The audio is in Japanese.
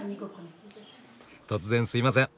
突然すいません。